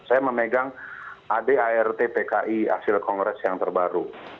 saya memegang adart pki hasil kongres yang terbaru